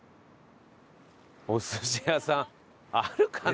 お寿司屋さんあるかね？